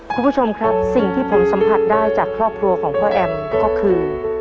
คุณผู้ชมครับสิ่งที่ผมสัมผัสได้จากครอบครัวของพ่อแอมก็คือ